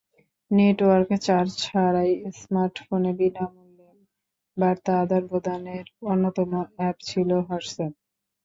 Network charge ছাড়াই স্মার্টফোনে বিনা মূল্যে বার্তা আদান-প্রদানের অন্যতম অ্যাপ ছিল হোয়াটসঅ্যাপ।